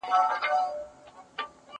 جنازې دي چي ډېرېږي د خوارانو